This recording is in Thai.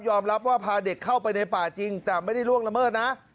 รับว่าพาเด็กเข้าไปในป่าจริงแต่ไม่ได้ล่วงละเมิดนะ